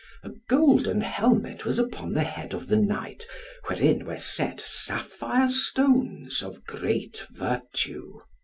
A golden helmet was upon the head of the knight, wherein were set sapphire stones of great virtue.